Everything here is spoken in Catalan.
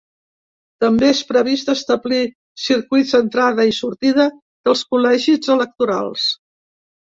També és previst d’establir circuits d’entrada i sortida dels col·legis electorals.